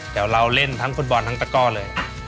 แต่เราเล่นทั้งฟุตบอลทั้งตะก้อเลย